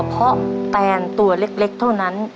เพราะแตนตัวเล็กเท่านั้น